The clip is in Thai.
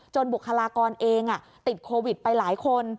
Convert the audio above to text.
บุคลากรเองติดโควิดไปหลายคน